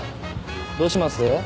どうします？